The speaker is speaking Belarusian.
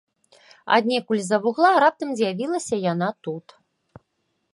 Аднекуль з-за вугла раптам з'явілася яна тут.